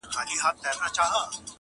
پېژندلی پر ایران او پر خُتن وو٫